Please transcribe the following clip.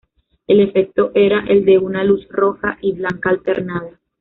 El efecto era el de una luz roja y blanca alternada.